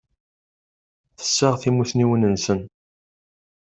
Tessaɣ timussniwin nsen.